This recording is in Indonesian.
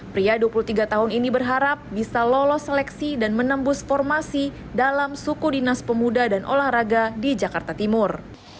pria dua puluh tiga tahun ini berharap bisa lolos seleksi dan menembus formasi dalam suku dinas pemuda dan olahraga di jakarta timur